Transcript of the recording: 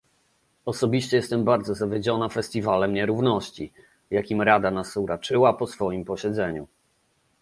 Osobiście jestem bardzo zawiedziona festiwalem nierówności, jakim Rada nas uraczyła po swoim posiedzeniu